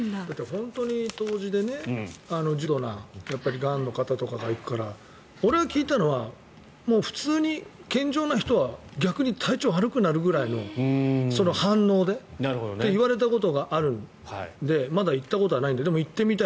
本当に湯治で重度のがんの方とかが行くから俺が聞いたのは普通に健常な人は逆に体調が悪くなるくらいのその反応で。って言われたことがあるのでまだ行ったことはないのででも行ってみたい。